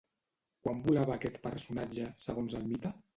Quan volava aquest personatge, segons el mite?